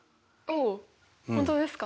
お本当ですか？